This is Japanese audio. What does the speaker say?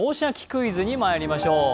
クイズ」にまいりましょう。